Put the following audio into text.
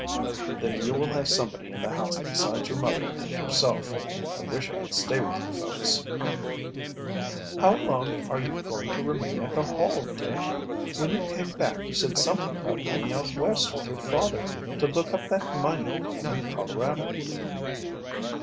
"Then you will have somebody in the house besides your mother and yourself. I wish I could stay with you folks." "How long are you going to remain at the Hall, Dick? When you came back you said something about going out West with your father to look up that mining claim in Colorado."